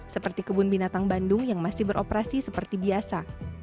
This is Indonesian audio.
seperti kebun binatang bandung yang masih beroperasi seperti biasa